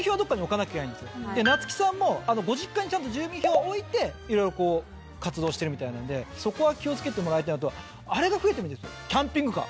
なつきさんもご実家にちゃんと住民票を置いていろいろ活動してるみたいなんでそこは気を付けてもらいたいのとあれが増えてるみたいですキャンピングカー。